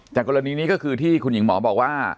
แต่กรณีนี้ก็คือที่คุณหญิงหมอบอกว่า